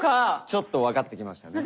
ちょっと分かってきましたね。